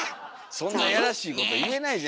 そんなやらしいこと言えないじゃないですか。